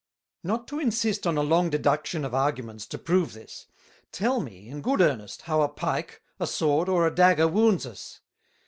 "Not to insist on a long Deduction of Arguments to prove this, tell me in good earnest, How a Pike, a Sword or a Dagger wounds us?